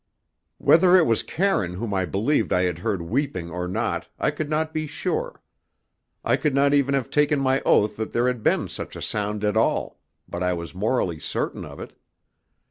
Whether it was Karine whom I believed I had heard weeping or not, I could not be sure. I could not even have taken my oath that there had been such a sound at all, but I was morally certain of it.